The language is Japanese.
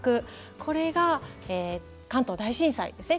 これが、関東大震災ですね。